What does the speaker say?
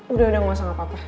udah udah gak usah apa apa